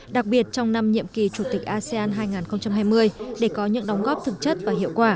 đặc biệt trong năm nhiệm kỳ chủ tịch asean hai nghìn hai mươi để có những đóng góp thực chất và hiệu quả